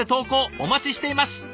お待ちしています！